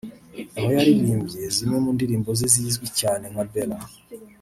aho yaririmbye zimwe mundirimbo ze zizwi cyane nka Bella